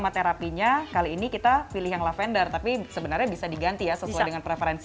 lima terapinya kali ini kita pilih yang lavender tapi sebenarnya bisa diganti ya sesuai dengan preferensi